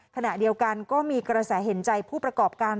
ขณะเดียวกันก็มีกระแสเห็นใจผู้ประกอบการ